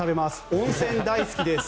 温泉大好きです。